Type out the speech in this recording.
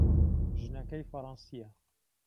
ژنەکەی فەڕەنسییە.